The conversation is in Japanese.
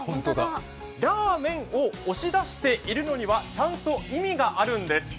ラーメンを押し出しているのにはちゃんと意味があるんです。